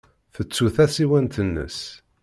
Tettu tasiwant-nnes.